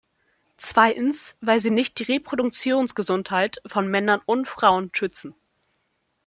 Zweitens, weil sie nicht die Reproduktionsgesundheit von Männern und Frauen schützen.